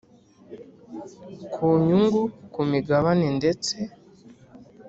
Ku nyungu ku migabane ndetse